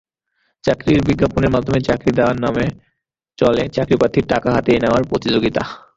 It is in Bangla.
চাকরির বিজ্ঞাপনের মাধ্যমে চাকরি দেওয়ার নামে চলে চাকরিপ্রার্থীর টাকা হাতিয়ে নেওয়ার প্রতিযোগিতা।